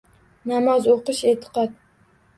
Namoz o‘qish — e’tiqod.